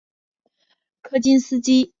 柯金斯基除执导本片外又兼任监制工作。